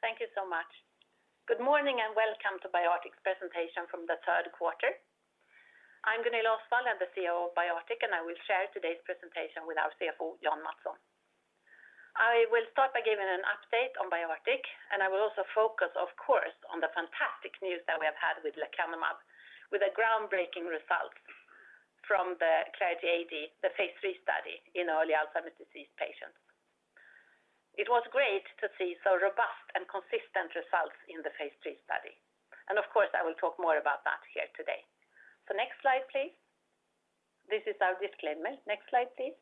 Thank you so much. Good morning, and welcome to BioArctic's presentation from the third quarter. I'm Gunilla Osswald, I'm the CEO of BioArctic, and I will share today's presentation with our CFO, Jan Mattsson. I will start by giving an update on BioArctic, and I will also focus, of course, on the fantastic news that we have had with lecanemab, with a groundbreaking result from the Clarity AD, the Phase 3 study in early Alzheimer's disease patients. It was great to see so robust and consistent results in the Phase 3 study. Of course, I will talk more about that here today. Next slide, please. This is our disclaimer. Next slide, please.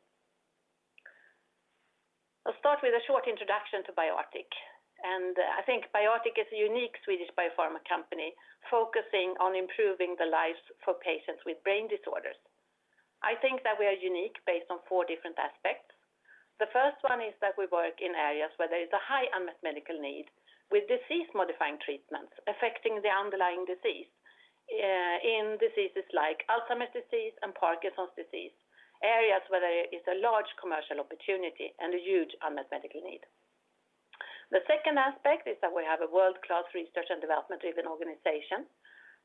I'll start with a short introduction to BioArctic. I think BioArctic is a unique Swedish biopharma company focusing on improving the lives for patients with brain disorders. I think that we are unique based on four different aspects. The first one is that we work in areas where there is a high unmet medical need with disease-modifying treatments affecting the underlying disease, in diseases like Alzheimer's disease and Parkinson's disease, areas where there is a large commercial opportunity and a huge unmet medical need. The second aspect is that we have a world-class research and development-driven organization,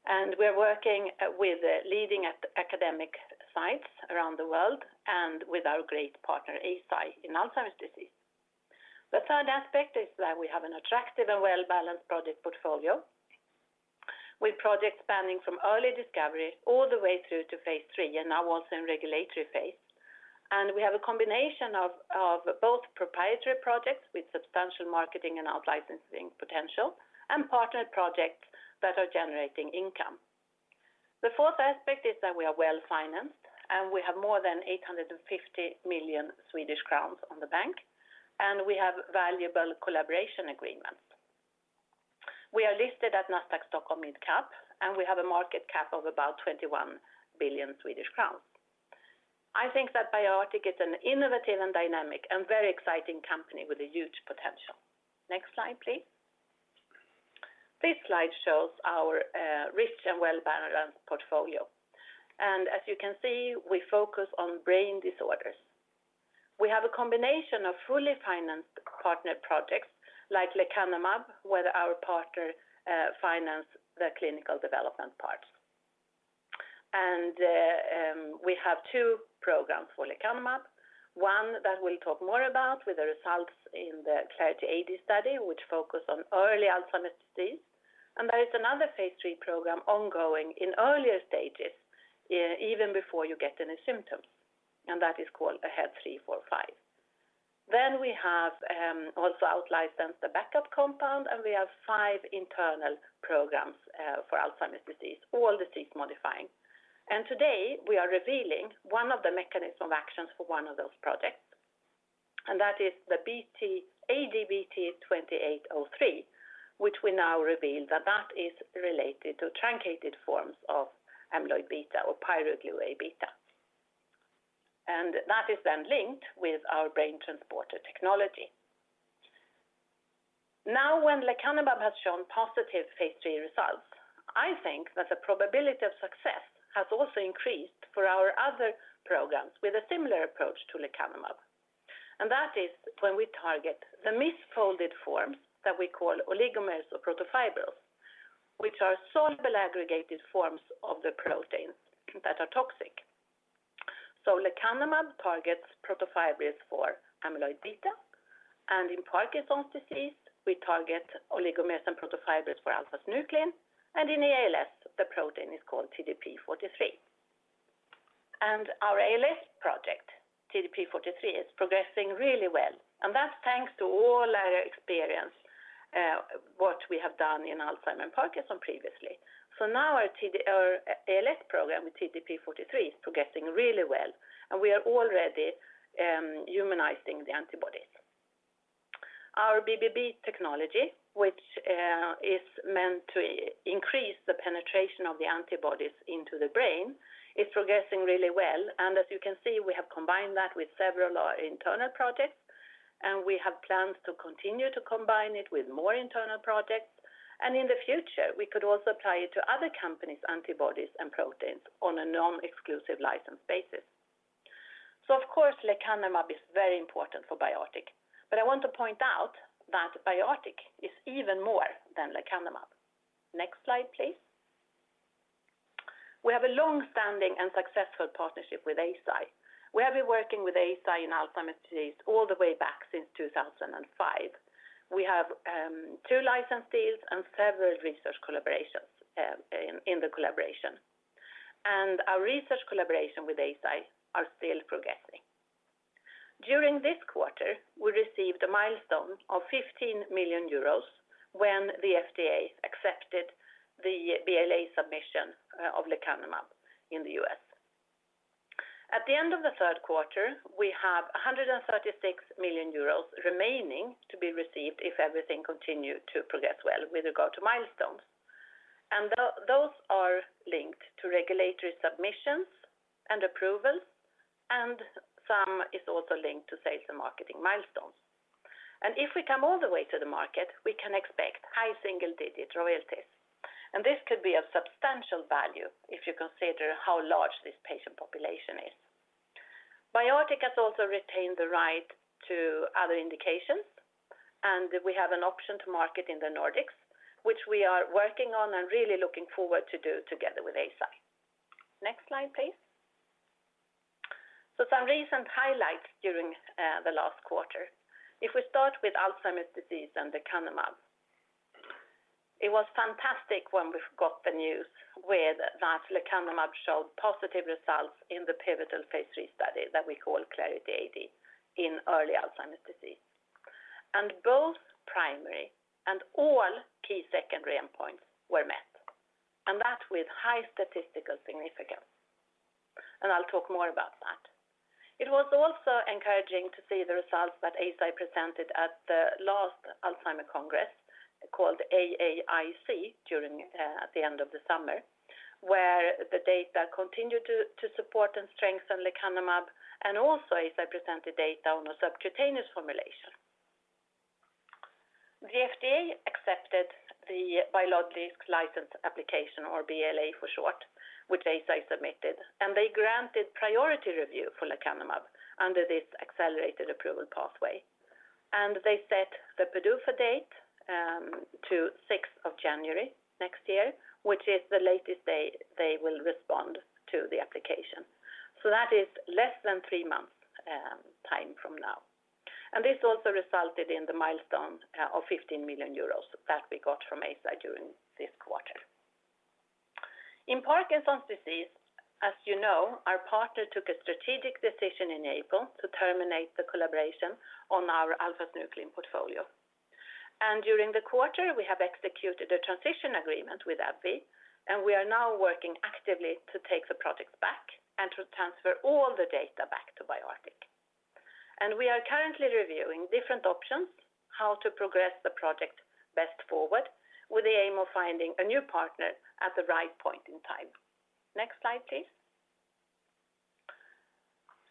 and we're working with leading academic sites around the world and with our great partner, Eisai, in Alzheimer's disease. The third aspect is that we have an attractive and well-balanced project portfolio with projects spanning from early discovery all the way through to Phase 3, and now also in regulatory Phase. We have a combination of both proprietary projects with substantial marketing and out-licensing potential and partnered projects that are generating income. The fourth aspect is that we are well-financed, and we have more than 850 million Swedish crowns in the bank, and we have valuable collaboration agreements. We are listed at Nasdaq Stockholm Mid Cap, and we have a market cap of about 21 billion Swedish crowns. I think that BioArctic is an innovative and dynamic and very exciting company with a huge potential. Next slide, please. This slide shows our rich and well-balanced portfolio. As you can see, we focus on brain disorders. We have a combination of fully financed partnered projects like Lecanemab, where our partner finances the clinical development part. We have two programs for Lecanemab, one that we'll talk more about with the results in the Clarity AD study, which focuses on early Alzheimer's disease. There is another Phase 3 program ongoing in earlier stages, even before you get any symptoms, and that is called AHEAD 3-45. We have also out-licensed the backup compound, and we have five internal programs for Alzheimer's disease, all disease-modifying. Today, we are revealing one of the mechanisms of action for one of those projects, and that is the BT-ADBT-2803, which we now reveal that is related to truncated forms of amyloid beta or pyroglu A-beta. That is then linked with our BrainTransporter technology. Now, when Lecanemab has shown positive Phase 3 results, I think that the probability of success has also increased for our other programs with a similar approach to Lecanemab. That is when we target the misfolded forms that we call oligomers or protofibrils, which are soluble aggregated forms of the protein that are toxic. Lecanemab targets protofibrils for amyloid beta. In Parkinson's disease, we target oligomers and protofibrils for alpha-synuclein. In ALS, the protein is called TDP-43. Our ALS project, TDP-43, is progressing really well. That's thanks to all our experience, what we have done in Alzheimer's and Parkinson's previously. Now our ALS program with TDP-43 is progressing really well, and we are already humanizing the antibodies. Our BBB technology, which is meant to increase the penetration of the antibodies into the brain, is progressing really well. As you can see, we have combined that with several internal projects, and we have plans to continue to combine it with more internal projects. In the future, we could also apply it to other companies' antibodies and proteins on a non-exclusive license basis. Of course, Lecanemab is very important for BioArctic, but I want to point out that BioArctic is even more than Lecanemab. Next slide, please. We have a long-standing and successful partnership with Eisai. We have been working with Eisai in Alzheimer's disease all the way back since 2005. We have two license deals and several research collaborations in the collaboration. Our research collaboration with Eisai are still progressing. During this quarter, we received a milestone of 15 million euros when the FDA accepted the BLA submission of Lecanemab in the U.S. At the end of the third quarter, we have 136 million euros remaining to be received if everything continue to progress well with regard to milestones. Those are linked to regulatory submissions and approvals, and some is also linked to sales and marketing milestones. If we come all the way to the market, we can expect high single-digit royalties. This could be of substantial value if you consider how large this patient population is. BioArctic has also retained the right to other indications, and we have an option to market in the Nordics, which we are working on and really looking forward to do together with Eisai. Next slide, please. Some recent highlights during the last quarter. If we start with Alzheimer's disease and Lecanemab. It was fantastic when we got the news with that Lecanemab showed positive results in the pivotal Phase 3 study that we call Clarity AD in early Alzheimer's disease. Both primary and all key secondary endpoints were met, and that with high statistical significance. I'll talk more about that. It was also encouraging to see the results that Eisai presented at the last Alzheimer's Congress, called AAIC, during at the end of the summer, where the data continued to support and strengthen lecanemab, and also Eisai presented data on a subcutaneous formulation. The FDA accepted the Biologics License Application or BLA for short, which Eisai submitted, and they granted priority review for lecanemab under this accelerated approval pathway. They set the PDUFA date to 6th of January next year, which is the latest date they will respond to the application. That is less than three months time from now. This also resulted in the milestone of 15 million euros that we got from Eisai during this quarter. In Parkinson's disease, as you know, our partner took a strategic decision in April to terminate the collaboration on our alpha-synuclein portfolio. During the quarter, we have executed a transition agreement with AbbVie, and we are now working actively to take the projects back and to transfer all the data back to BioArctic. We are currently reviewing different options, how to progress the project best forward, with the aim of finding a new partner at the right point in time. Next slide, please.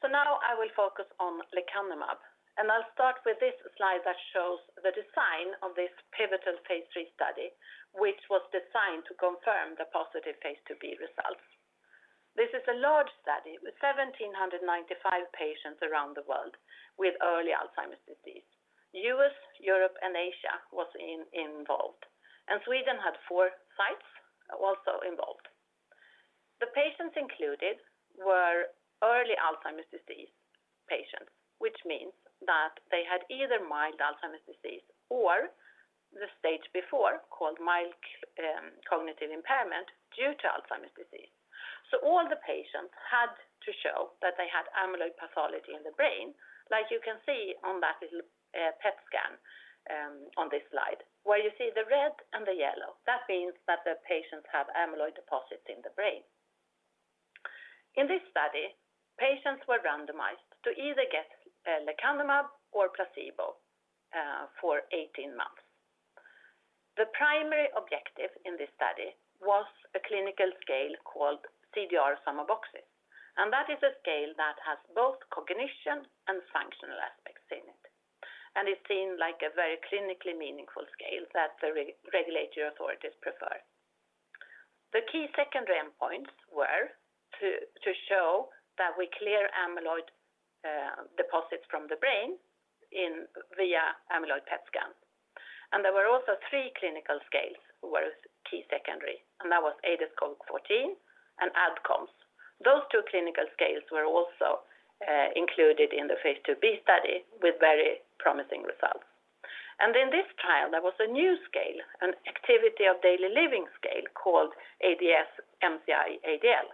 Now I will focus on lecanemab, and I'll start with this slide that shows the design of this pivotal Phase 3 study, which was designed to confirm the positive Phase 2b results. This is a large study with 1,795 patients around the world with early Alzheimer's disease. U.S., Europe, and Asia was involved, and Sweden had 4 sites also involved. The patients included were early Alzheimer's disease patients, which means that they had either mild Alzheimer's disease or the stage before, called mild cognitive impairment due to Alzheimer's disease. All the patients had to show that they had amyloid pathology in the brain, like you can see on that little PET scan on this slide. Where you see the red and the yellow, that means that the patients have amyloid deposits in the brain. In this study, patients were randomized to either get lecanemab or placebo for 18 months. The primary objective in this study was a clinical scale called CDR Sum of Boxes, and that is a scale that has both cognition and functional aspects in it. It seemed like a very clinically meaningful scale that the regulatory authorities prefer. The key secondary endpoints were to show that we clear amyloid deposits from the brain via amyloid PET scan. There were also three clinical scales that were key secondary, and that was ADAS-Cog-14 and ADCOMS. Those two clinical scales were also included in the Phase 2b study with very promising results. In this trial, there was a new scale, an activity of daily living scale called ADCS-MCI-ADL.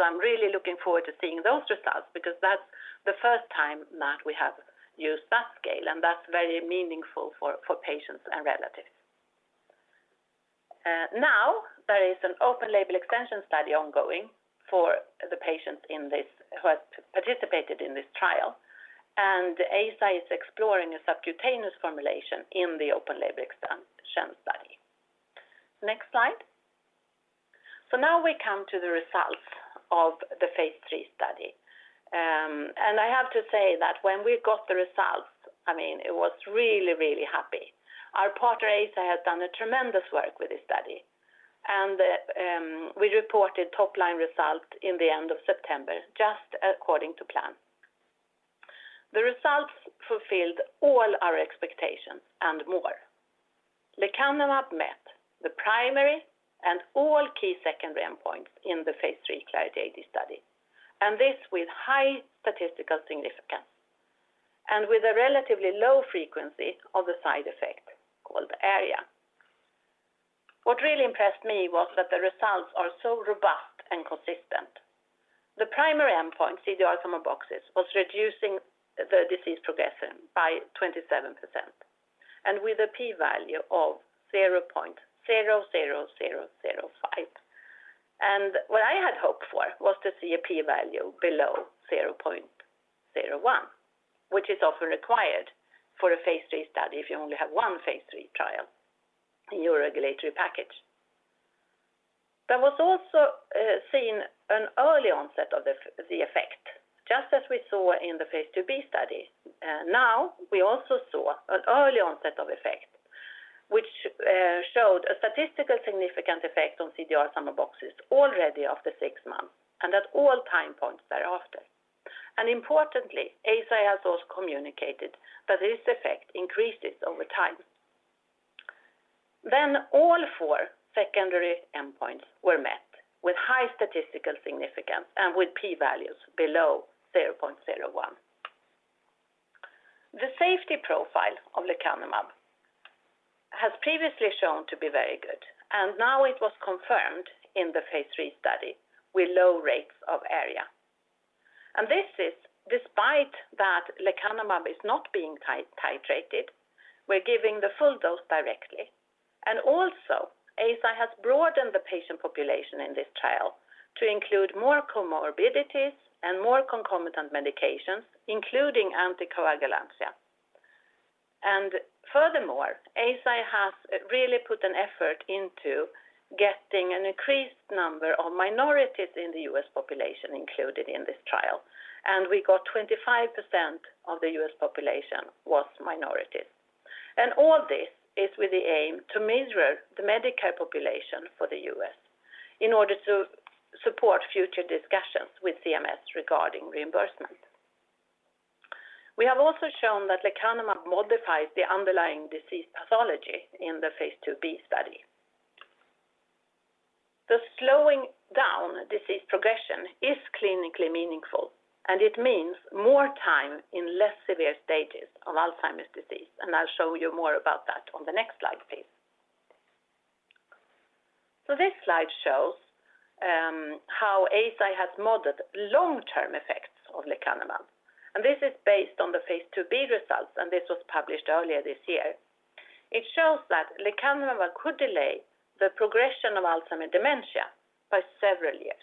I'm really looking forward to seeing those results because that's the first time that we have used that scale, and that's very meaningful for patients and relatives. Now there is an open label extension study ongoing for the patients in this who have participated in this trial, and Eisai is exploring a subcutaneous formulation in the open label extension study. Next slide. Now we come to the results of the Phase 3 study. I have to say that when we got the results, I mean, we were really, really happy. Our partner, Eisai, has done a tremendous work with this study. We reported top-line results at the end of September, just according to plan. The results fulfilled all our expectations and more. Lecanemab met the primary and all key secondary endpoints in the Phase 3 Clarity AD study, and this with high statistical significance and with a relatively low frequency of the side effect called ARIA. What really impressed me was that the results are so robust and consistent. The primary endpoint, CDR Sum of Boxes, reduced the disease progression by 27% and with a P value of 0.00005. What I had hoped for was to see a p-value below 0.01, which is often required for a Phase 3 study if you only have one Phase 3 trial in your regulatory package. There was also seen an early onset of the effect, just as we saw in the Phase 2b study. Now we also saw an early onset of effect, which showed a statistically significant effect on CDR Sum of Boxes already after 6 months and at all time points thereafter. Importantly, Eisai has also communicated that this effect increases over time. All four secondary endpoints were met with high statistical significance and with p-values below 0.01. The safety profile of lecanemab has previously shown to be very good, and now it was confirmed in the Phase 3 study with low rates of ARIA. This is despite that lecanemab is not being titrated. We're giving the full dose directly. Eisai has broadened the patient population in this trial to include more comorbidities and more concomitant medications, including anticoagulants. Eisai has really put an effort into getting an increased number of minorities in the US population included in this trial, and we got 25% of the US population was minorities. All this is with the aim to mirror the Medicare population for the US in order to support future discussions with CMS regarding reimbursement. We have also shown that lecanemab modifies the underlying disease pathology in the Phase 2b study. The slowing down disease progression is clinically meaningful, and it means more time in less severe stages of Alzheimer's disease, and I'll show you more about that on the next slide, please. This slide shows how Eisai has modeled long-term effects of lecanemab, and this is based on the Phase 2b results, and this was published earlier this year. It shows that lecanemab could delay the progression of Alzheimer dementia by several years.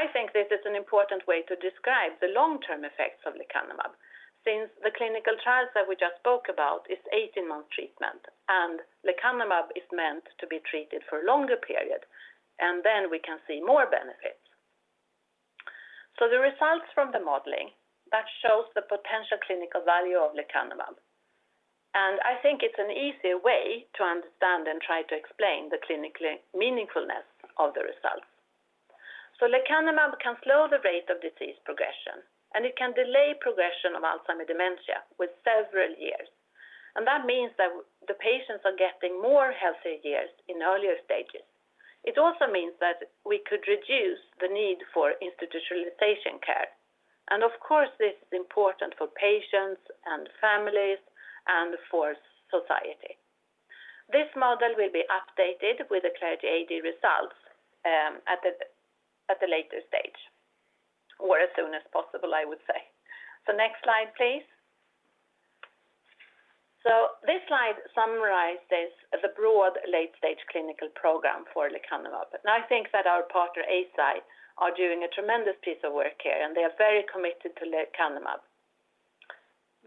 I think this is an important way to describe the long-term effects of lecanemab since the clinical trials that we just spoke about is 18-month treatment, and lecanemab is meant to be treated for longer period, and then we can see more benefits. The results from the modeling that shows the potential clinical value of lecanemab, and I think it's an easier way to understand and try to explain the clinically meaningfulness of the results. Lecanemab can slow the rate of disease progression, and it can delay progression of Alzheimer dementia with several years. That means that the patients are getting more healthy years in earlier stages. It also means that we could reduce the need for institutionalization care. Of course, this is important for patients and families and for society. This model will be updated with the Clarity AD results, at a later stage or as soon as possible, I would say. Next slide, please. This slide summarizes the broad late-stage clinical program for lecanemab. I think that our partner, Eisai, are doing a tremendous piece of work here, and they are very committed to lecanemab.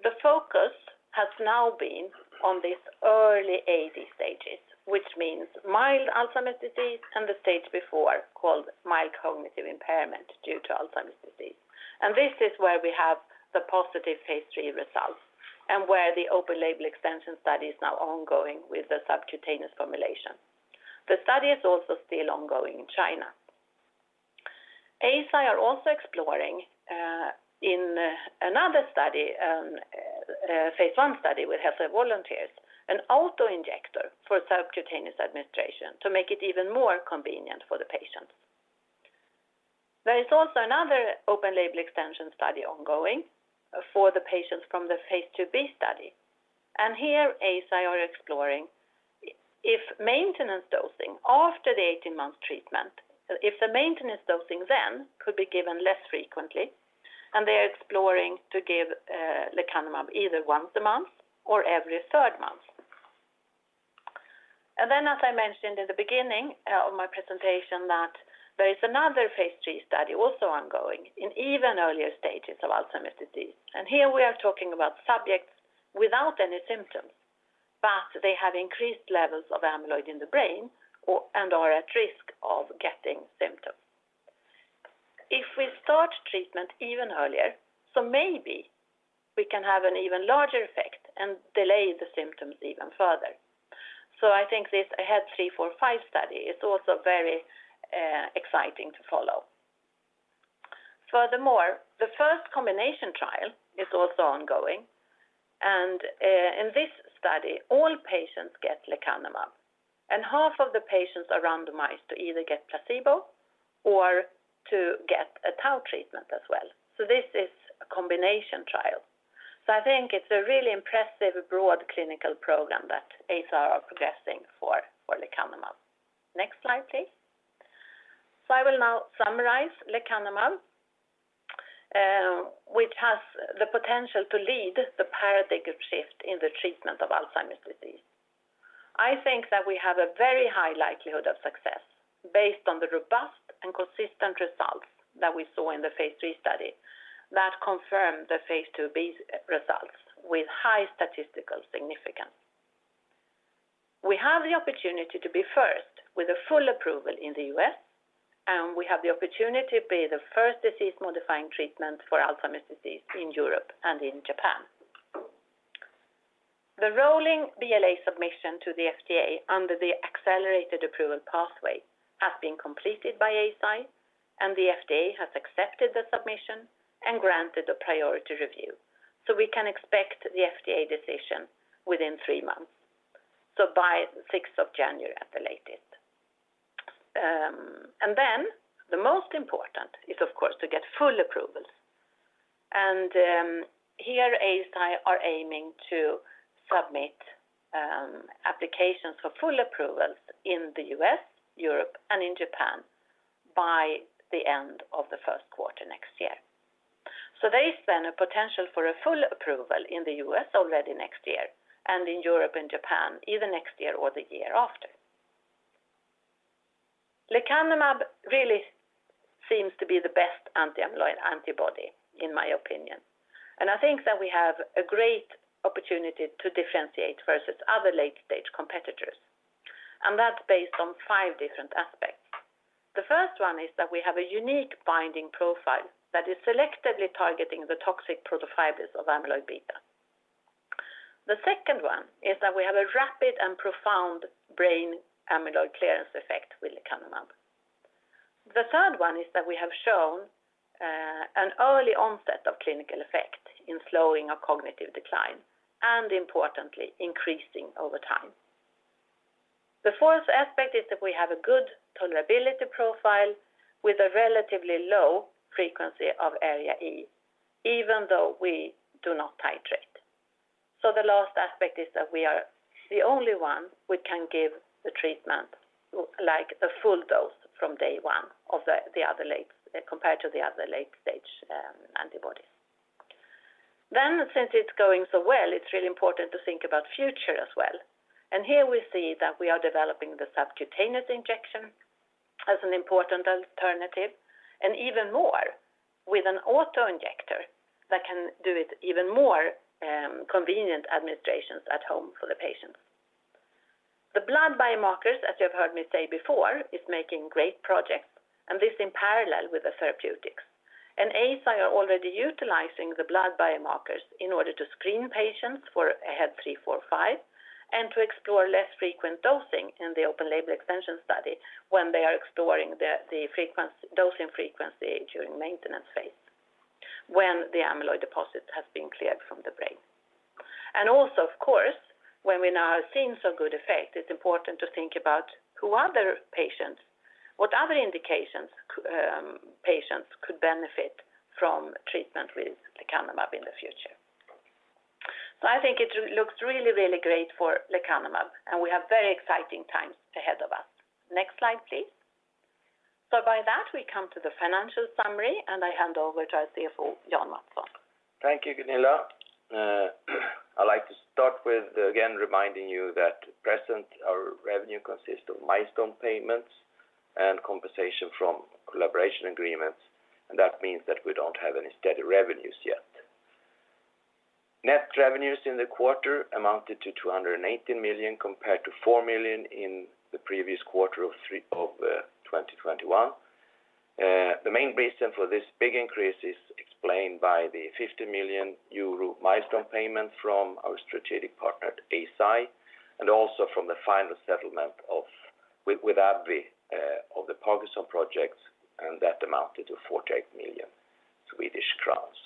The focus has now been on these early AD stages, which means mild Alzheimer's disease and the stage before called mild cognitive impairment due to Alzheimer's disease. This is where we have the positive Phase 3 results and where the open label extension study is now ongoing with the subcutaneous formulation. The study is also still ongoing in China. Eisai are also exploring, in another study, a Phase 1 study with healthy volunteers, an auto-injector for subcutaneous administration to make it even more convenient for the patients. There is also another open label extension study ongoing for the patients from the Phase 2B study. Here, Eisai are exploring if maintenance dosing after the 18-month treatment, if the maintenance dosing then could be given less frequently, and they are exploring to give Lecanemab either once a month or every third month. As I mentioned in the beginning of my presentation, there is another Phase 3 study also ongoing in even earlier stages of Alzheimer's disease. Here we are talking about subjects without any symptoms, but they have increased levels of amyloid in the brain or and are at risk of getting symptoms. If we start treatment even earlier, so maybe we can have an even larger effect and delay the symptoms even further. I think this AHEAD 3-45 study is also very exciting to follow. The first combination trial is also ongoing, and in this study, all patients get Lecanemab, and half of the patients are randomized to either get placebo or to get a tau treatment as well. This is a combination trial. I think it's a really impressive broad clinical program that Eisai are progressing for Lecanemab. Next slide, please. I will now summarize Lecanemab, which has the potential to lead the paradigmatic shift in the treatment of Alzheimer's disease. I think that we have a very high likelihood of success based on the robust and consistent results that we saw in the Phase 3 study that confirmed the Phase 2B results with high statistical significance. We have the opportunity to be first with a full approval in the U.S. We have the opportunity to be the first disease-modifying treatment for Alzheimer's disease in Europe and in Japan. The rolling BLA submission to the FDA under the accelerated approval pathway has been completed by Eisai, and the FDA has accepted the submission and granted a priority review. We can expect the FDA decision within three months. By 6th of January at the latest. Then the most important is of course to get full approvals. Here Eisai are aiming to submit applications for full approvals in the U.S., Europe, and in Japan by the end of the first quarter next year. There is then a potential for a full approval in the U.S. already next year, and in Europe and Japan either next year or the year after. Lecanemab really seems to be the best anti-amyloid antibody, in my opinion. I think that we have a great opportunity to differentiate versus other late-stage competitors. That's based on five different aspects. The first one is that we have a unique binding profile that is selectively targeting the toxic protofibrils of amyloid beta. The second one is that we have a rapid and profound brain amyloid clearance effect with lecanemab. The third one is that we have shown an early onset of clinical effect in slowing of cognitive decline, and importantly, increasing over time. The fourth aspect is that we have a good tolerability profile with a relatively low frequency of ARIA-E, even though we do not titrate. The last aspect is that we are the only one who can give the treatment like a full dose from day one compared to the other late-stage antibodies. Since it's going so well, it's really important to think about future as well. Here we see that we are developing the subcutaneous injection as an important alternative, and even more with an auto-injector that can do it even more convenient administrations at home for the patients. The blood biomarkers, as you have heard me say before, is making great progress, and this in parallel with the therapeutics. Eisai are already utilizing the blood biomarkers in order to screen patients for AHEAD 3-45 and to explore less frequent dosing in the open label extension study when they are exploring the dosing frequency during maintenance Phase when the amyloid deposit has been cleared from the brain. Also, of course, when we now have seen some good effect, it's important to think about what other patients, what other indications patients could benefit from treatment with lecanemab in the future. I think it looks really, really great for lecanemab, and we have very exciting times ahead of us. Next slide, please. By that, we come to the financial summary, and I hand over to our CFO, Jan Mattsson. Thank you, Gunilla. I'd like to start with again reminding you that at present our revenue consists of milestone payments and compensation from collaboration agreements, and that means that we don't have any steady revenues yet. Net revenues in the quarter amounted to 280 million compared to 4 million in the previous quarter of 2021. The main reason for this big increase is explained by the 50 million euro milestone payment from our strategic partner at Eisai, and also from the final settlement with AbbVie of the Parkinson's project, and that amounted to 48 million Swedish crowns.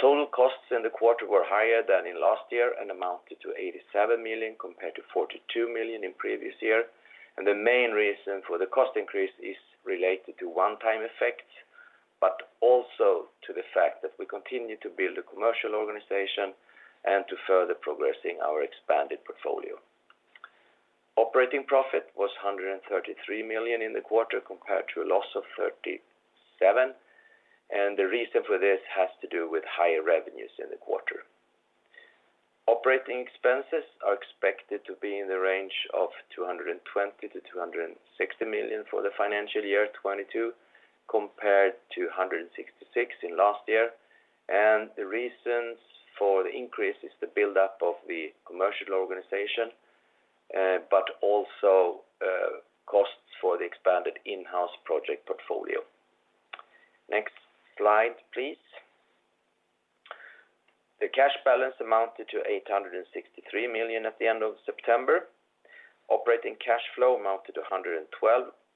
Total costs in the quarter were higher than in last year and amounted to 87 million compared to 42 million in previous year. The main reason for the cost increase is related to one-time effects, but also to the fact that we continue to build a commercial organization and to further progressing our expanded portfolio. Operating profit was 133 million in the quarter compared to a loss of 37 million, and the reason for this has to do with higher revenues in the quarter. Operating expenses are expected to be in the range of 220 million-260 million for the financial year 2022, compared to 166 million in last year. The reasons for the increase is the buildup of the commercial organization, but also, costs for the expanded in-house project portfolio. Next slide, please. The cash balance amounted to 863 million at the end of September. Operating cash flow amounted to 112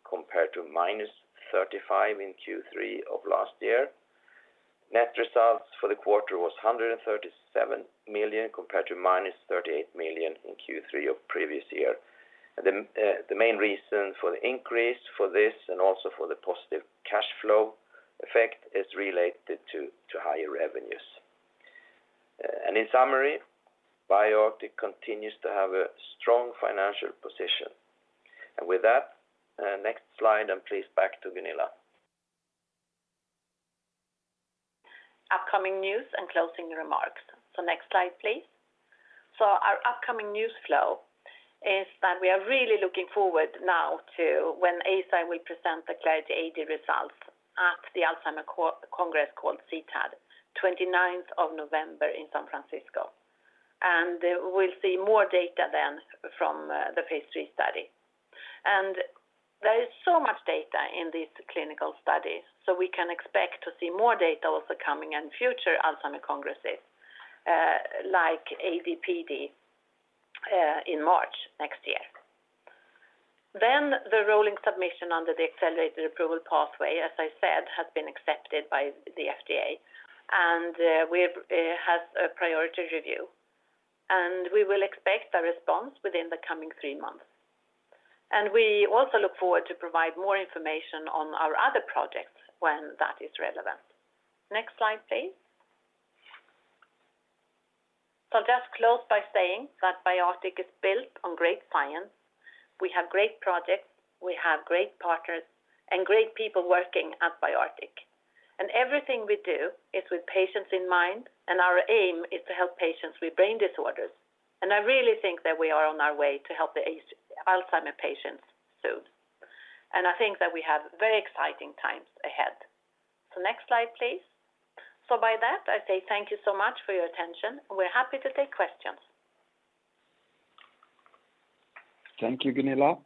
compared to -35 in Q3 of last year. Net results for the quarter was 137 million compared to -38 million in Q3 of previous year. The main reason for the increase for this and also for the positive cash flow effect is related to higher revenues. In summary, BioArctic continues to have a strong financial position. With that, next slide, and please back to Gunilla. Upcoming news and closing remarks. Next slide, please. Our upcoming news flow is that we are really looking forward now to when Eisai will present the Clarity AD results at the Alzheimer's Congress called CTAD, November 29 in San Francisco. We'll see more data then from the Phase 3 study. There is so much data in these clinical studies, so we can expect to see more data also coming in future Alzheimer congresses, like AD/PD in March next year. The rolling submission under the accelerated approval pathway, as I said, has been accepted by the FDA, and it has a priority review. We will expect a response within the coming three months. We also look forward to provide more information on our other projects when that is relevant. Next slide, please. I'll just close by saying that BioArctic is built on great science. We have great projects, we have great partners, and great people working at BioArctic. Everything we do is with patients in mind, and our aim is to help patients with brain disorders. I really think that we are on our way to help the Alzheimer patients soon. I think that we have very exciting times ahead. Next slide, please. With that, I say thank you so much for your attention, and we're happy to take questions. Thank you, Gunilla.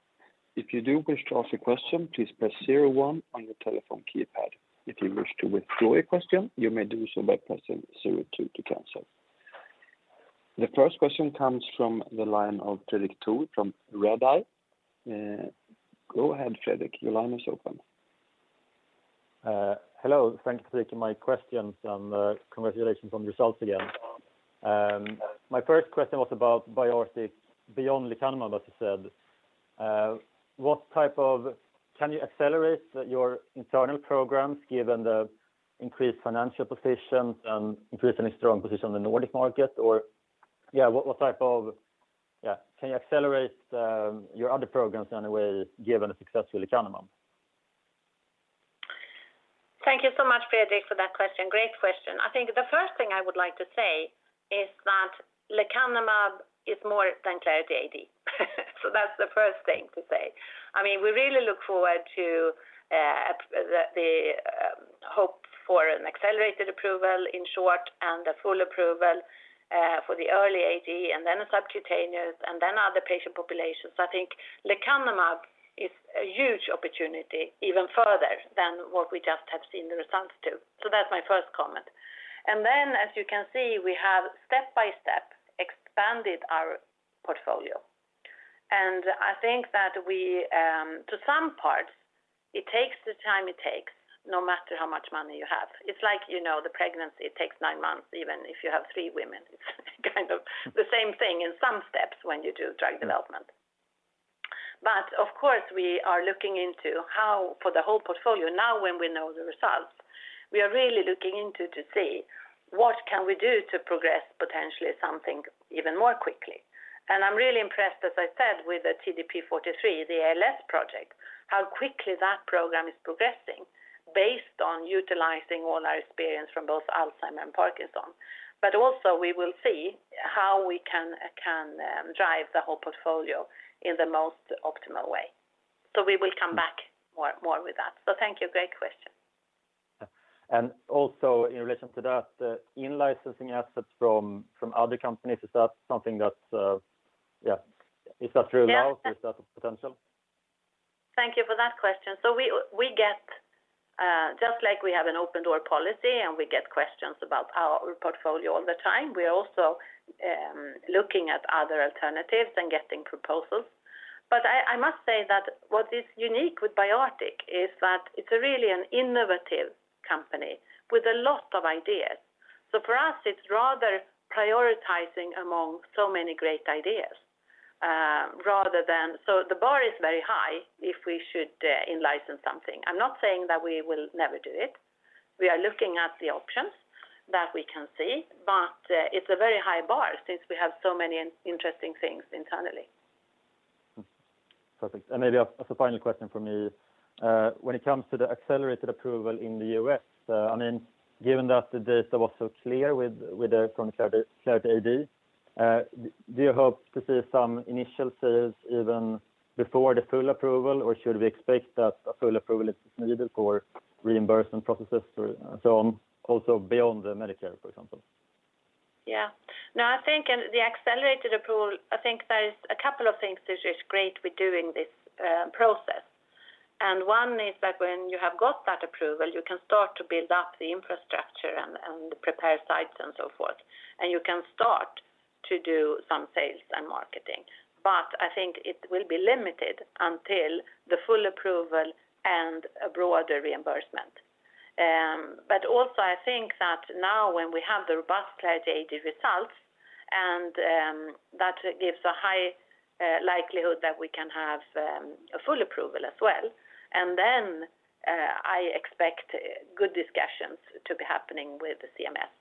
If you do wish to ask a question, please press zero-one on your telephone keypad. If you wish to withdraw your question, you may do so by pressing zero-two to cancel. The first question comes from the line of Fredrik Thor from Redeye. Go ahead, Fredrik. Your line is open. Hello. Thanks for taking my questions, and congratulations on the results again. My first question was about BioArctic beyond lecanemab, as you said. Can you accelerate your internal programs given the increased financial position and increasingly strong position in the Nordic market? Or, can you accelerate your other programs in any way given the success with lecanemab? Thank you so much, Fredrik, for that question. Great question. I think the first thing I would like to say is that lecanemab is more than Clarity AD. That's the first thing to say. I mean, we really look forward to the hope for an accelerated approval in short and a full approval for the early AD and then a subcutaneous and then other patient populations. I think lecanemab is a huge opportunity even further than what we just have seen the results to. That's my first comment. As you can see, we have step by step expanded our portfolio. I think that we to some part, it takes the time it takes no matter how much money you have. It's like, you know, the pregnancy takes nine months, even if you have three women. It's kind of the same thing in some steps when you do drug development. Of course, we are looking into how for the whole portfolio now when we know the results, we are really looking into to see what can we do to progress potentially something even more quickly. I'm really impressed, as I said, with the TDP-43, the ALS project, how quickly that program is progressing based on utilizing all our experience from both Alzheimer's and Parkinson's. Also we will see how we can drive the whole portfolio in the most optimal way. We will come back more with that. Thank you. Great question. Yeah. Also in relation to that, in-licensing assets from other companies, is that something that, yeah, is that true now? Yeah. Is that a potential? Thank you for that question. We get just like we have an open door policy and we get questions about our portfolio all the time, we are also looking at other alternatives and getting proposals. I must say that what is unique with BioArctic is that it's really an innovative company with a lot of ideas. For us, it's rather prioritizing among so many great ideas rather than. The bar is very high if we should in-license something. I'm not saying that we will never do it. We are looking at the options that we can see, but it's a very high bar since we have so many interesting things internally. Perfect. Maybe as a final question from me, when it comes to the accelerated approval in the U.S., I mean, given that the data was so clear from Clarity AD, do you hope to see some initial sales even before the full approval, or should we expect that a full approval is needed for reimbursement processes, so also beyond the Medicare, for example? Yeah. No, I think in the accelerated approval, I think there is a couple of things which is great with doing this process. One is that when you have got that approval, you can start to build up the infrastructure and prepare sites and so forth. You can start to do some sales and marketing. I think it will be limited until the full approval and a broader reimbursement. I think that now when we have the robust Clarity AD results and that gives a high likelihood that we can have a full approval as well, and then I expect good discussions to be happening with the CMS.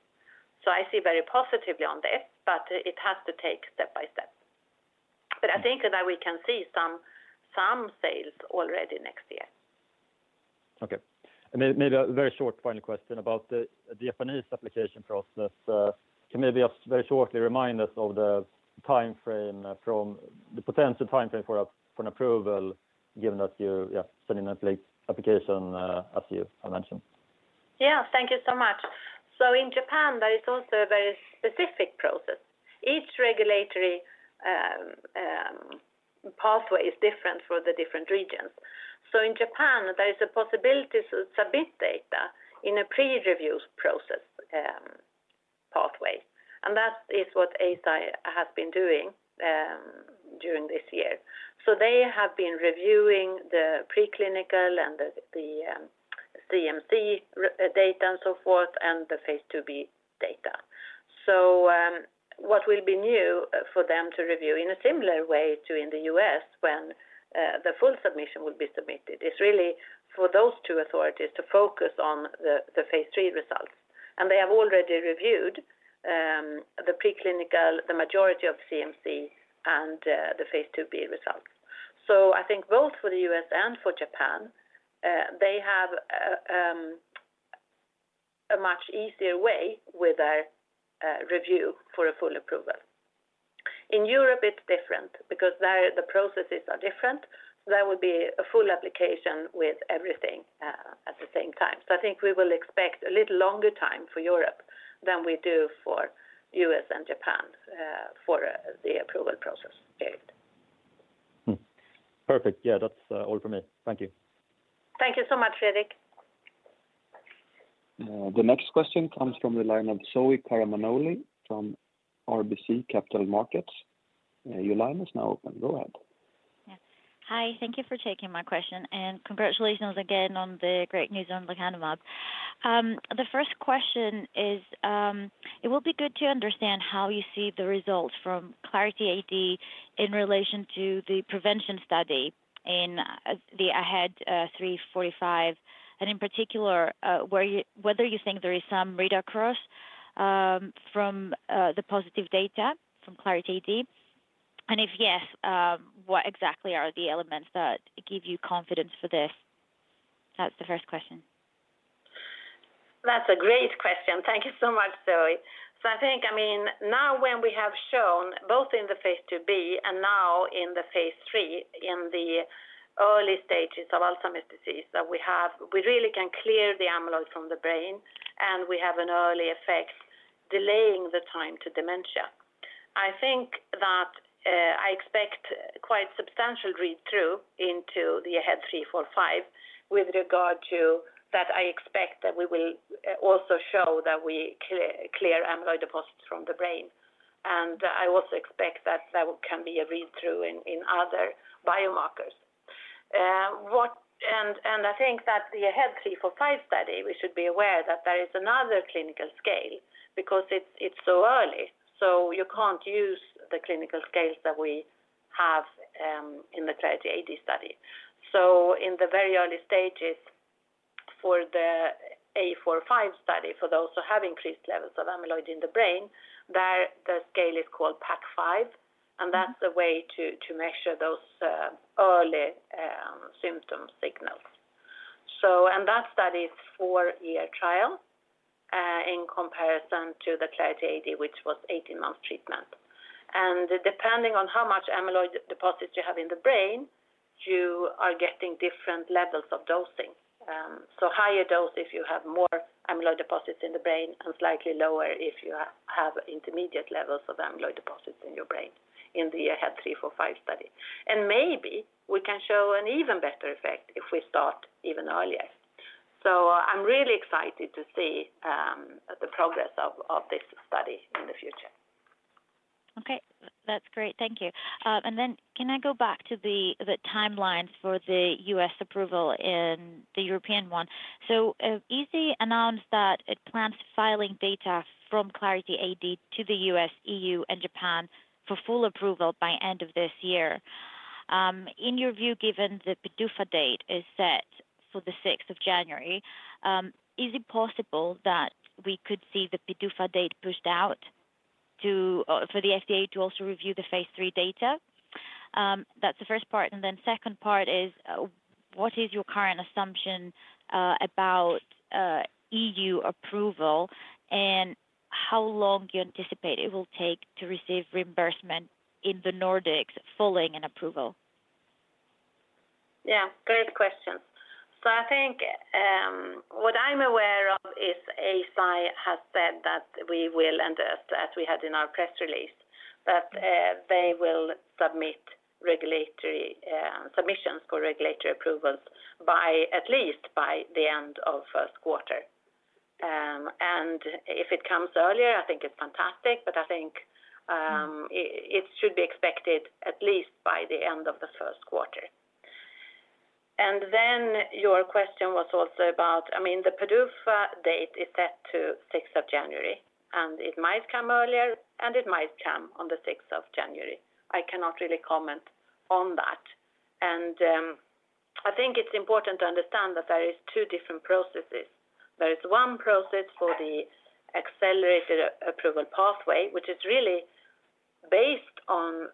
I see very positively on this, but it has to take step by step. I think that we can see some sales already next year. Okay. Maybe a very short final question about the Japanese application process. Can you maybe just very shortly remind us of the timeframe from the potential timeframe for an approval given that you sending an application as you mentioned? Yeah. Thank you so much. In Japan, there is also a very specific process. Each regulatory pathway is different for the different regions. In Japan, there is a possibility to submit data in a pre-review process pathway, and that is what Eisai has been doing during this year. They have been reviewing the preclinical and the CMC data and so forth and the Phase 2B data. What will be new for them to review in a similar way to in the U.S. when the full submission will be submitted is really for those two authorities to focus on the Phase 3 results. They have already reviewed the preclinical, the majority of CMC and the Phase 2B results. I think both for the US and for Japan, they have a much easier way with a review for a full approval. In Europe, it's different because there the processes are different. There will be a full application with everything, at the same time. I think we will expect a little longer time for Europe than we do for US and Japan, for the approval process period. Perfect. Yeah, that's all for me. Thank you. Thank you so much, Fredrik. The next question comes from the line of Zoe Knapska from RBC Capital Markets. Your line is now open. Go ahead. Yeah. Hi, thank you for taking my question, and congratulations again on the great news on Lecanemab. The first question is, it will be good to understand how you see the results from Clarity AD in relation to the prevention study in the AHEAD 3-45, and in particular, whether you think there is some read across, from the positive data from Clarity AD. If yes, what exactly are the elements that give you confidence for this? That's the first question. That's a great question. Thank you so much, Zoe. I think, I mean, now when we have shown both in the Phase 2b and now in the Phase 3 in the early stages of Alzheimer's disease that we have, we really can clear the amyloid from the brain, and we have an early effect delaying the time to dementia. I think that I expect quite substantial read-through into the AHEAD 3-45 with regard to that I expect that we will also show that we clear amyloid deposits from the brain. And I also expect that there can be a read-through in other biomarkers. I think that the AHEAD 3-45 study, we should be aware that there is another clinical scale because it's so early, so you can't use the clinical scales that we have in the Clarity AD study. In the very early stages for the A45 study, for those who have increased levels of amyloid in the brain, there the scale is called PACC5, and that's a way to measure those early symptom signals. That study is 4-year trial in comparison to the Clarity AD, which was 18-month treatment. Depending on how much amyloid deposits you have in the brain, you are getting different levels of dosing. Higher dose if you have more amyloid deposits in the brain and slightly lower if you have intermediate levels of amyloid deposits in your brain in the AHEAD 3-45 study. Maybe we can show an even better effect if we start even earlier. I'm really excited to see the progress of this study in the future. Okay. That's great. Thank you. Can I go back to the timelines for the U.S. approval and the European one? Eisai announced that it plans filing data from Clarity AD to the U.S., EU, and Japan for full approval by end of this year. In your view, given the PDUFA date is set for the sixth of January, is it possible that we could see the PDUFA date pushed out to for the FDA to also review the Phase 3 data? That's the first part. Then second part is, what is your current assumption about EU approval, and how long do you anticipate it will take to receive reimbursement in the Nordics following an approval? Yeah. Great questions. I think what I'm aware of is Eisai has said that we will, and as we had in our press release, that they will submit regulatory submissions for regulatory approvals by at least the end of first quarter. If it comes earlier, I think it's fantastic, but I think it should be expected at least by the end of the first quarter. Your question was also about, I mean, the PDUFA date is set to sixth of January, and it might come earlier, and it might come on the sixth of January. I cannot really comment on that. I think it's important to understand that there is two different processes. There is one process for the accelerated approval pathway, which is really based on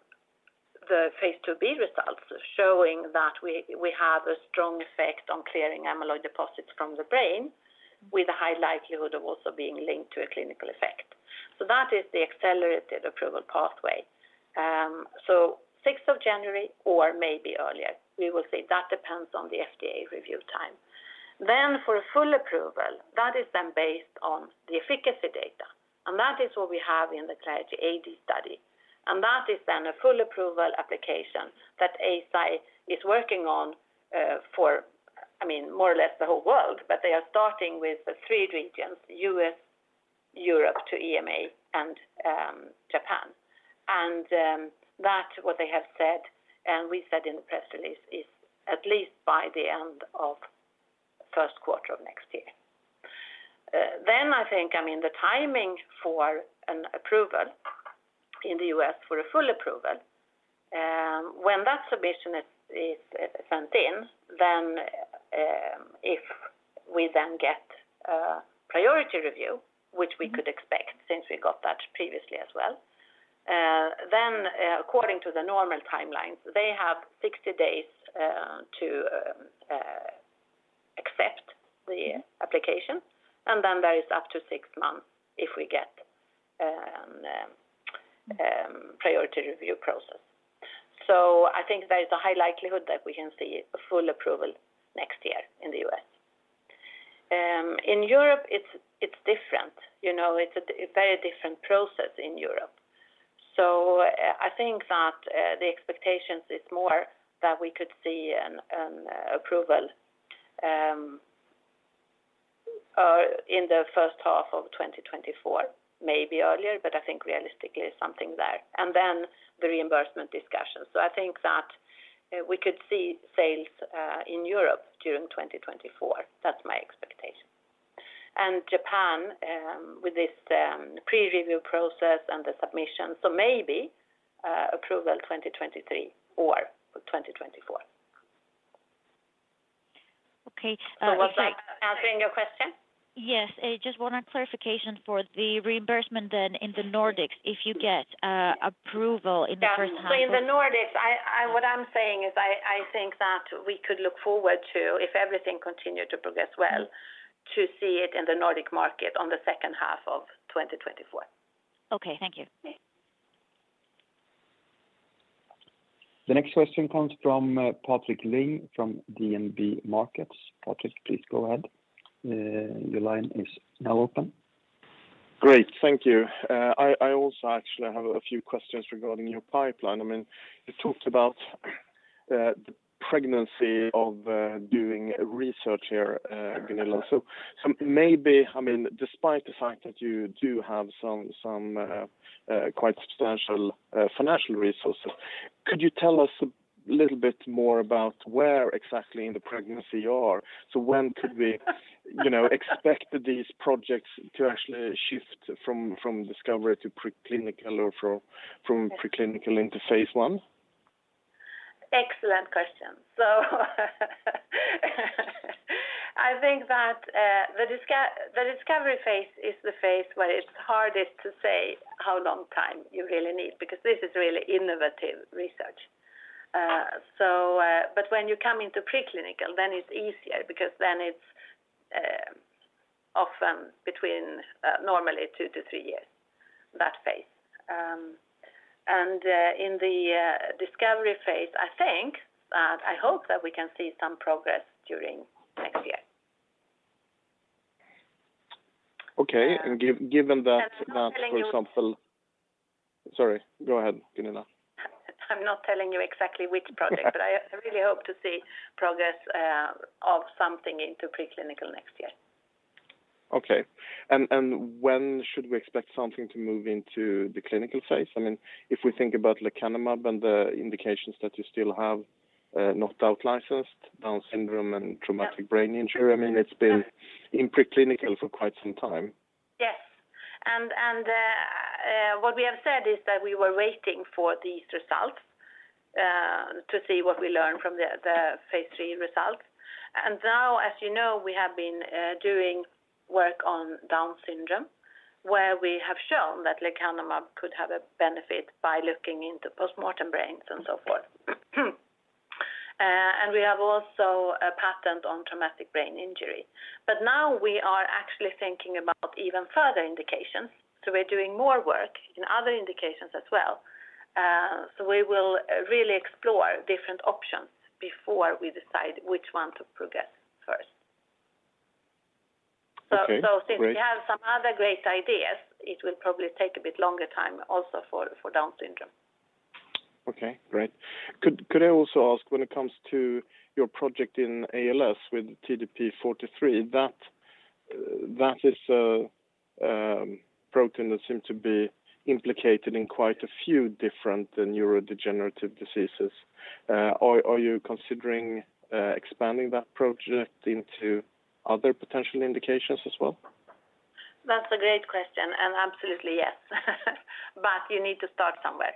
the Phase 2B results, showing that we have a strong effect on clearing amyloid deposits from the brain with a high likelihood of also being linked to a clinical effect. That is the accelerated approval pathway. Sixth of January or maybe earlier, we will see. That depends on the FDA review time. For a full approval, that is based on the efficacy data, and that is what we have in the Clarity AD study. That is a full approval application that Eisai is working on, I mean, more or less the whole world, but they are starting with the three regions, U.S., Europe to EMA, and Japan. That's what they have said and we said in the press release is at least by the end of first quarter of next year. Then I think, I mean, the timing for an approval in the U.S. for a full approval, when that submission is sent in, then if we then get a priority review, which we could expect since we got that previously as well, then according to the normal timelines, they have 60 days to accept the application. Then there is up to 6 months if we get priority review process. I think there is a high likelihood that we can see a full approval next year in the U.S. In Europe, it's different. You know, it's a very different process in Europe. I think that the expectations is more that we could see an approval in the first half of 2024, maybe earlier, but I think realistically something there. Then the reimbursement discussion. I think that we could see sales in Europe during 2024. That's my expectation. Japan, with this pre-review process and the submission, maybe approval 2023 or 2024. Okay. Was I answering your question? Yes. I just want a clarification for the reimbursement then in the Nordics if you get approval in the first half of- Yeah. In the Nordics, what I'm saying is I think that we could look forward to, if everything continued to progress well, to see it in the Nordic market in the second half of 2024. Okay, thank you. Yeah. The next question comes from Patrik Ling from DNB Markets. Patrik, please go ahead. Your line is now open. Great. Thank you. I also actually have a few questions regarding your pipeline. I mean, you talked about the progress of doing research here, Gunilla. Maybe, I mean, despite the fact that you do have some quite substantial financial resources, could you tell us a little bit more about where exactly in the progress you are? When could we you know, expect these projects to actually shift from discovery to preclinical or from preclinical into Phase one? Excellent question. I think that the discovery Phase is the Phase where it's hardest to say how long time you really need, because this is really innovative research. When you come into preclinical, then it's easier because then it's often between normally two to three years, that Phase. In the discovery Phase, I think that I hope that we can see some progress during next year. Okay. Uh. Given that. I'm not telling you. Sorry, go ahead, Gunilla. I'm not telling you exactly which project, but I really hope to see progress of something into preclinical next year. When should we expect something to move into the clinical Phase? I mean, if we think about lecanemab and the indications that you still have, not out-licensed, Down syndrome and traumatic brain injury, I mean, it's been in preclinical for quite some time. Yes. What we have said is that we were waiting for these results to see what we learn from the Phase 3 results. Now, as you know, we have been doing work on Down syndrome, where we have shown that Lecanemab could have a benefit by looking into postmortem brains and so forth. We have also a patent on traumatic brain injury. Now we are actually thinking about even further indications, so we're doing more work in other indications as well. We will really explore different options before we decide which one to progress first. Okay. Great. Since we have some other great ideas, it will probably take a bit longer time also for Down syndrome. Okay. Great. Could I also ask, when it comes to your project in ALS with TDP-43, that that is a protein that seem to be implicated in quite a few different neurodegenerative diseases. Are you considering expanding that project into other potential indications as well? That's a great question, and absolutely yes. You need to start somewhere.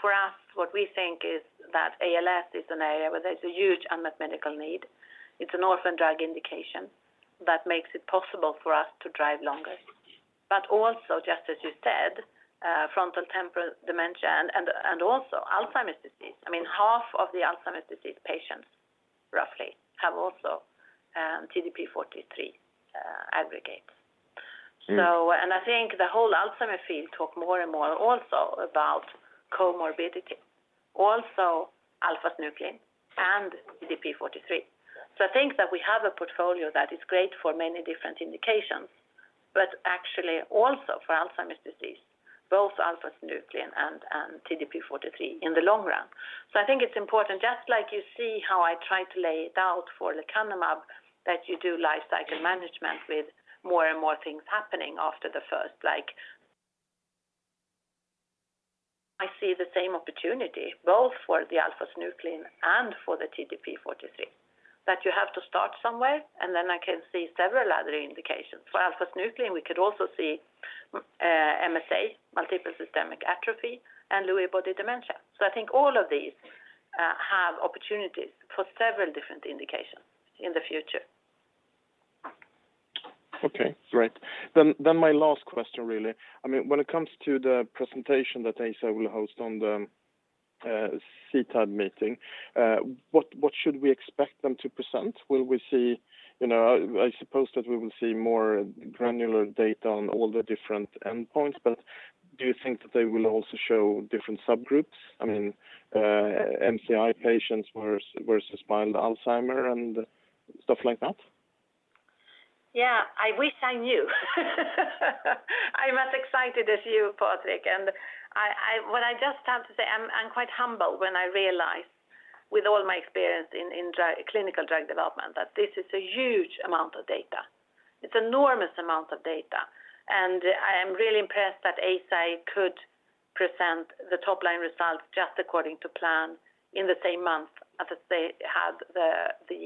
For us, what we think is that ALS is an area where there's a huge unmet medical need. It's an orphan drug indication that makes it possible for us to drive longer. Also, just as you said, frontotemporal dementia and also Alzheimer's disease. I mean, half of the Alzheimer's disease patients roughly have also TDP-43 aggregates. Mm-hmm. I think the whole Alzheimer's field talk more and more also about comorbidity, also alpha-synuclein and TDP-43. I think that we have a portfolio that is great for many different indications, but actually also for Alzheimer's disease, both alpha-synuclein and TDP-43 in the long run. I think it's important, just like you see how I try to lay it out for lecanemab that you do life cycle management with more and more things happening after the first like. I see the same opportunity both for the alpha-synuclein and for the TDP-43 that you have to start somewhere, and then I can see several other indications. For alpha-synuclein we could also see MSA, multiple system atrophy, and Lewy body dementia. I think all of these have opportunities for several different indications in the future. Okay, great. My last question really. I mean, when it comes to the presentation that Eisai will host on the CTAD meeting, what should we expect them to present? Will we see? You know, I suppose that we will see more granular data on all the different endpoints, but do you think that they will also show different subgroups? I mean, MCI patients versus mild Alzheimer's and stuff like that. Yeah. I wish I knew. I'm as excited as you, Patrick. What I just have to say, I'm quite humble when I realize with all my experience in drug, clinical drug development that this is a huge amount of data. It's enormous amount of data. I am really impressed that Eisai could present the top line results just according to plan in the same month as they had the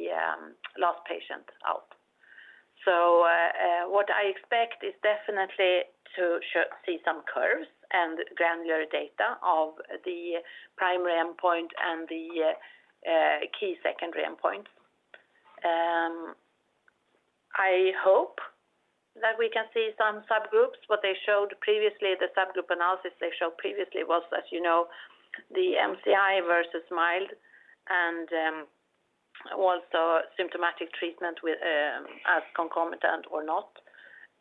last patient out. What I expect is definitely to see some curves and granular data of the primary endpoint and the key secondary endpoint. I hope that we can see some subgroups. What they showed previously, the subgroup analysis they showed previously was that, you know, the MCI versus mild and also symptomatic treatment with as concomitant or not,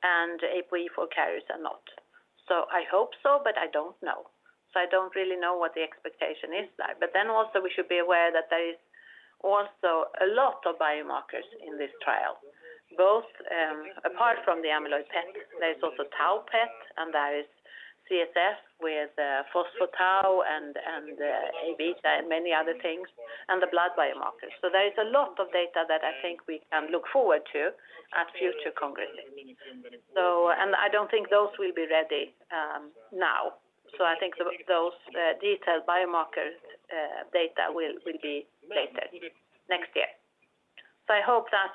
and APOE4 carriers or not. I hope so, but I don't know. I don't really know what the expectation is there. We should be aware that there is also a lot of biomarkers in this trial, both, apart from the amyloid PET, there's also tau PET, and there is CSF with, phospho-tau and, Aβ and many other things, and the blood biomarkers. There is a lot of data that I think we can look forward to at future congresses. I don't think those will be ready, now. I think those, detailed biomarkers, data will be later next year. I hope that,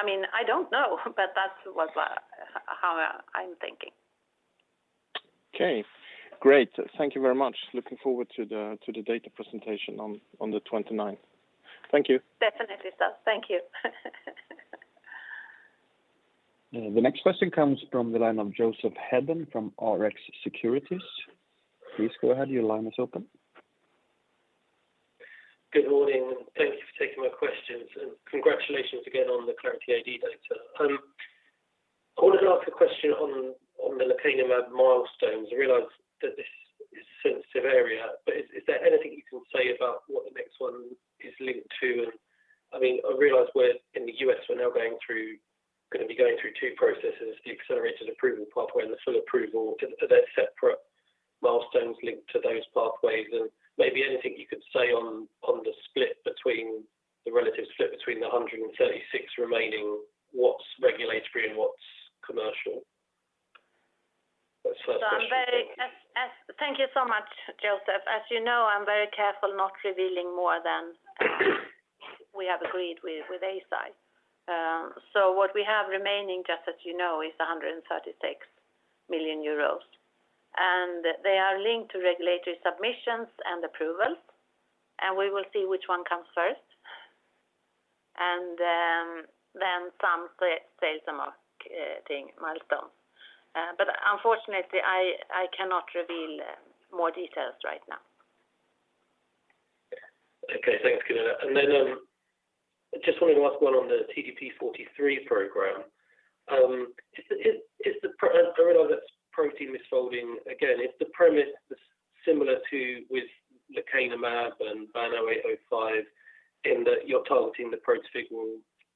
I mean, I don't know, but that's what, how I'm thinking. Okay, great. Thank you very much. Looking forward to the data presentation on the twenty-ninth. Thank you. Definitely so. Thank you. The next question comes from the line of Joseph Hedden from Rx Securities. Please go ahead. Your line is open. Good morning, and thank you for taking my questions, and congratulations again on the Clarity AD data. I wanted to ask a question on the lecanemab milestones. I realize that this is a sensitive area, but is there anything you can say about what the next one is linked to? I mean, I realize we're in the U.S., we're now gonna be going through two processes, the accelerated approval pathway and the full approval. Are there separate milestones linked to those pathways? Maybe anything you could say on the relative split between the 136 remaining, what's regulatory and what's commercial? That's the first question. Thank you so much, Joseph. As you know, I'm very careful not revealing more than we have agreed with Eisai. What we have remaining, just as you know, is 136 million euros. They are linked to regulatory submissions and approvals, and we will see which one comes first. Then some sales and marketing milestones. But unfortunately, I cannot reveal more details right now. Okay. Thanks, Gunilla. I just wanted to ask one on the TDP-43 program. I realize that's protein misfolding. Again, is the premise similar to with lecanemab and BAN0805 in that you're targeting the protofibrils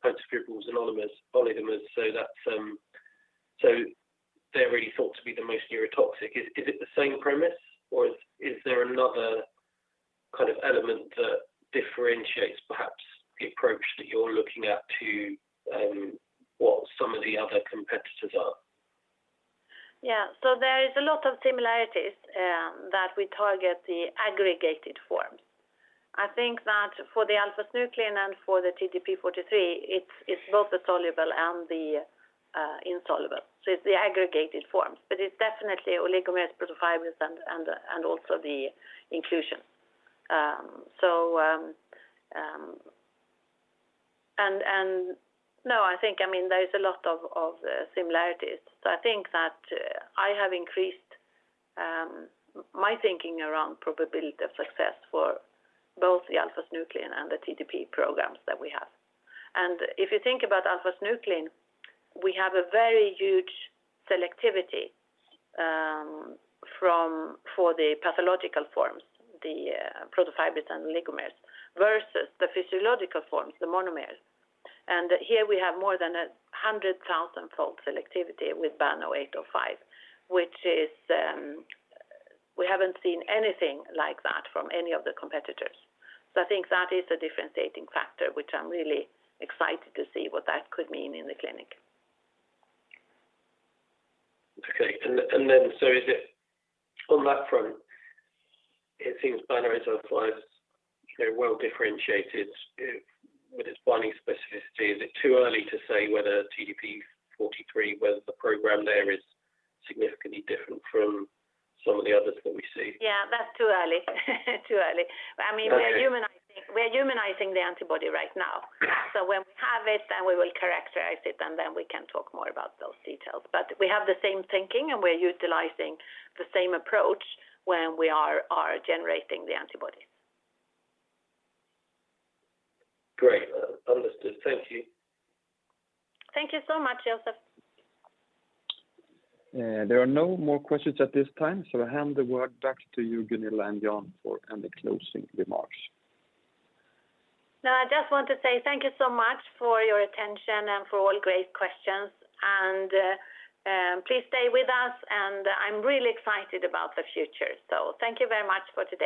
and oligomers so that they're really thought to be the most neurotoxic. Is it the same premise, or is there another kind of element that differentiates perhaps the approach that you're looking at to what some of the other competitors are? Yeah. There is a lot of similarities that we target the aggregated forms. I think that for the alpha-synuclein and for the TDP-43, it's both the soluble and the insoluble. It's the aggregated forms, but it's definitely oligomers, protofibrils and also the inclusion. No, I think, I mean, there is a lot of similarities. I think that I have increased my thinking around probability of success for both the alpha-synuclein and the TDP programs that we have. If you think about alpha-synuclein, we have a very huge selectivity for the pathological forms, the protofibrils and oligomers versus the physiological forms, the monomers. Here we have more than 100,000-fold selectivity with BAN0805, which is, we haven't seen anything like that from any of the competitors. I think that is a differentiating factor, which I'm really excited to see what that could mean in the clinic. Okay. Is it on that front, it seems BAN0805 is, you know, well-differentiated with its binding specificity. Is it too early to say whether TDP-43 the program there is significantly different from some of the others that we see? Yeah, that's too early. Too early. Okay. I mean, we are humanizing the antibody right now. When we have it, then we will characterize it, and then we can talk more about those details. We have the same thinking, and we're utilizing the same approach when we are generating the antibodies. Great. Understood. Thank you. Thank you so much, Joseph. There are no more questions at this time, so I hand the word back to you, Gunilla and Jan for any closing remarks. No, I just want to say thank you so much for your attention and for all great questions. Please stay with us, and I'm really excited about the future. Thank you very much for today.